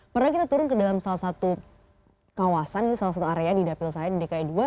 pernah kita turun ke dalam salah satu kawasan salah satu area di dapil saya di dki dua